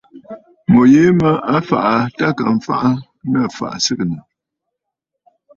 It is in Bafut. Ŋù yìi mə a fàꞌà aa tâ à ka mfaꞌa nɨ a fa aà.